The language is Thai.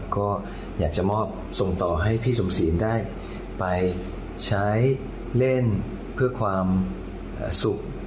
ก็อยากจะมอบส่งต่อให้พี่สมศีลได้ไปใช้เล่นเพื่อความสุข